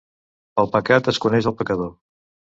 Pel pecat es coneix el pecador.